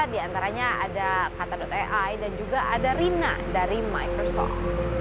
di antaranya ada kata ai dan juga ada rina dari microsoft